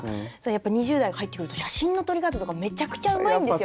やっぱ２０代が入ってくると写真の撮り方とかめちゃくちゃうまいんですよ。